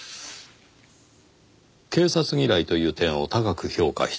警察嫌いという点を高く評価しています。